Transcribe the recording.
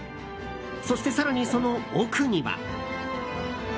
そして、更にその奥には。